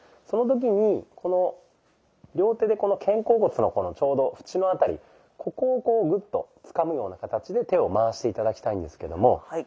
その時に両手でこの肩甲骨のちょうどフチの辺りここをこうグッとつかむような形で手を回して頂きたいんですけども。